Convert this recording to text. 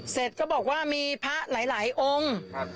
เสร็จก็บอกว่ามีพระหลายองค์